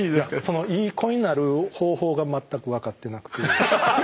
その良い子になる方法が全く分かってなくて。